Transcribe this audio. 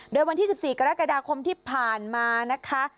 โดยวันที่๑๔กรกฎาคมที่ผ่านมานะคะ